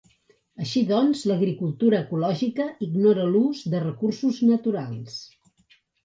Així doncs, l'agricultura ecològica ignora l'ús de recursos naturals.